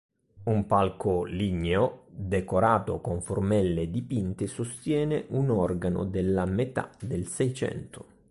Un palco ligneo, decorato con formelle dipinte, sostiene un organo della metà del Seicento.